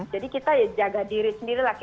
jadi kita jaga diri sendiri lah